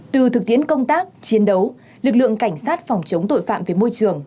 từ thực tiễn công tác chiến đấu lực lượng cảnh sát phòng chống tội phạm về môi trường